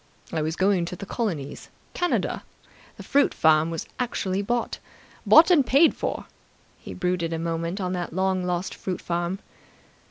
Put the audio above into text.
I was going to the colonies. Canada. The fruit farm was actually bought. Bought and paid for!" He brooded a moment on that long lost fruit farm.